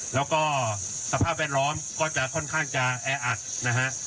แล้วก็สภาพแวดล้อมก็จะค่อนข้างจะแออัดนะฮะ